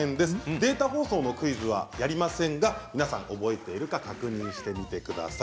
データ放送のクイズはやりませんが皆さん覚えているか確認してみてください。